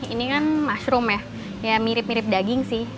ini kan mushroom ya mirip mirip daging sih